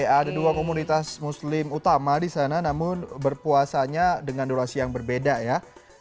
ada dua komunitas muslim utama di sana namun berpuasanya dengan durasi yang berbeda ya